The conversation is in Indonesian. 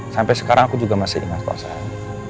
sampai sekarang aku juga masih ingat kosan